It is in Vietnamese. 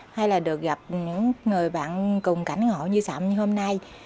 hay là được gặp những người bạn cùng cảnh ngộ như sạm như hôm nay